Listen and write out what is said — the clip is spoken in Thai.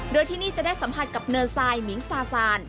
โดยที่นี่จะได้สัมผัสกับเนินทรายมิงซาซาน